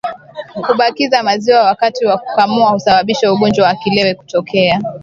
Kubakiza maziwa wakati wa kukamua husababisha ugonjwa wa kiwele kutokea